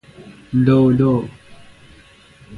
لؤ لؤ